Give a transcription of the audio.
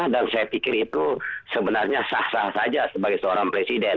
dan saya pikir itu sebenarnya sah sah saja sebagai seorang presiden